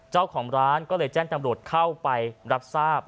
เจ้าของร้านก็เลยแจ้งจำรวจเข้าไปรับทราบ